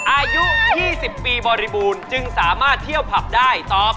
อายุ๒๐ปีบริบูรณ์จึงสามารถเที่ยวผับได้ตอบ